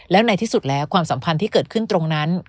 แล้วในที่สุดแล้วความสัมพันธ์ที่เกิดขึ้นตรงนั้น